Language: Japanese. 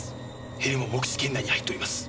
ヘリも目視圏内に入っております。